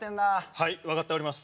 はい分かっております。